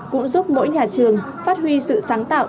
cũng giúp mỗi nhà trường phát huy sự sáng tạo